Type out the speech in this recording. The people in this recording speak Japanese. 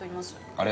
あれ？